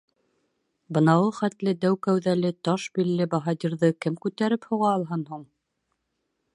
Бынауы хәтле дәү кәүҙәле, таш билле баһадирҙы кем күтәреп һуға алһын һуң?!